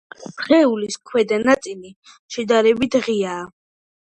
სხეულის ქვედა ნაწილი შედარებით ღიაა.